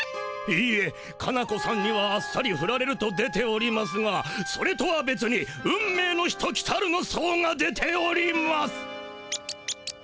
いいえカナ子さんにはあっさりフラれると出ておりますがそれとは別に「運命の人きたる」の相が出ております。